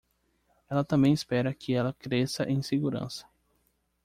Ela também espera que ela cresça em segurança.